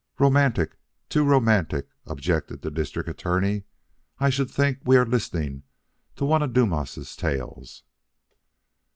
'" "Romantic! too romantic!" objected the District Attorney. "I should think we were listening to one of Dumas' tales."